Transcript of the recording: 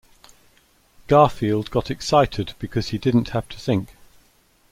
Garfield got excited because he didn't have to think.